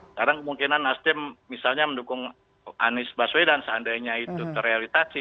sekarang kemungkinan nasdem misalnya mendukung anies baswedan seandainya itu terrealisasi